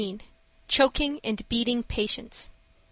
CHOKING AND BEATING PATIENTS.